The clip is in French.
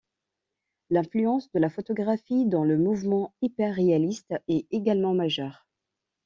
L'influence de la photographie dans le mouvement hyperréaliste est également majeure.